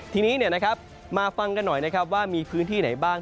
ทีนี้มาฟังกันหน่อยนะครับว่ามีพื้นที่ไหนบ้าง